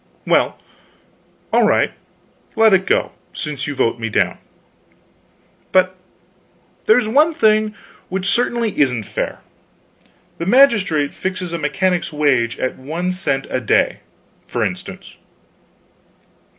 "Well, all right, let it go, since you vote me down. But there's one thing which certainly isn't fair. The magistrate fixes a mechanic's wage at one cent a day, for instance.